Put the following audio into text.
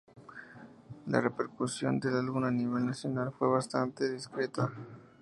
La repercusión del álbum a nivel nacional fue bastante discreta.